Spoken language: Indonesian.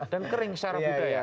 dan kering secara budaya